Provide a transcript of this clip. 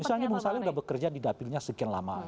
misalnya bung saleh sudah bekerja di dapilnya sekian lama